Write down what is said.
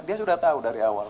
dia sudah tahu dari awal